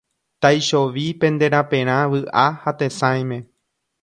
Taichovi pende raperã vy'a ha tesãime.